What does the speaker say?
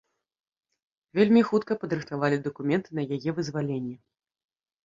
Вельмі хутка падрыхтавалі дакументы на яе вызваленне.